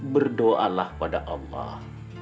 berdoalah pada allah